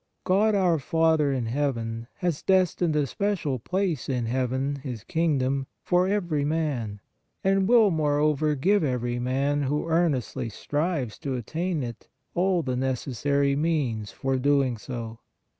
God, our Father in heaven, has destined a special place in heaven, His kingdom, for every man and will, moreover, give every man who earnestly strives to attain it all the necessary means for doing so.